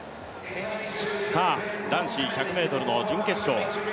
男子１００ｍの準決勝。